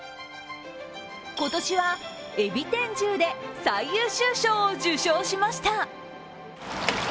今年は、海老天重で最優秀賞を受賞しました。